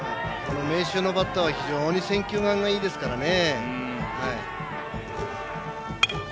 明秀のバッターは非常に選球眼がいいですからね。